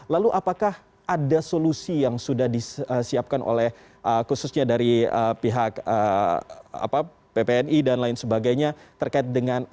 lalu apakah ada solusi yang sudah disiapkan oleh khususnya dari pihak ppni dan lain sebagainya terkait dengan